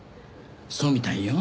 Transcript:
そうみたいよ。